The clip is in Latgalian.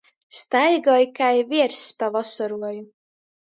Staigoj kai vierss pa vosoruoju.